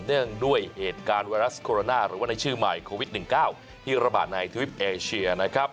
เนื่องด้วยเหตุการณ์ไวรัสโคโรนาหรือว่าในชื่อใหม่โควิด๑๙ที่ระบาดในทวิปเอเชียนะครับ